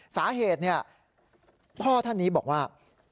สาเหตุพ่อท่านนี้บอกว่า